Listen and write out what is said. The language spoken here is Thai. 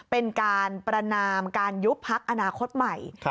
เป็นการประนามการยุบพักอนาคตใหม่